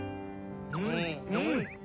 うんうん。